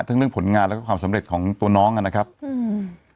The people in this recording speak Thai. เรื่องผลงานแล้วก็ความสำเร็จของตัวน้องอ่ะนะครับอืม